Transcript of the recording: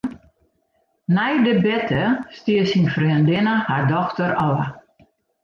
Nei de berte stie syn freondinne har dochter ôf.